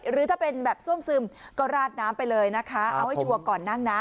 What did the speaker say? หรือถ้าเป็นแบบซ่วมซึมก็ราดน้ำไปเลยนะคะเอาให้ชัวร์ก่อนนั่งนะ